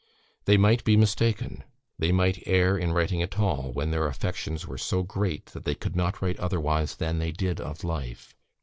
They might be mistaken. They might err in writing at all, when their affections were so great that they could not write otherwise than they did of life.